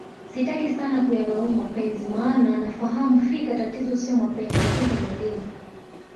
sitaki sana kuyalaumu mapenzi maana nafahamu fika tatizo sio mapenzi tatizo ni elimu